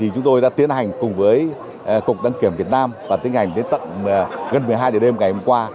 chúng tôi đã tiến hành cùng với cục đăng kiểm việt nam và tiến hành đến gần một mươi hai đêm ngày hôm qua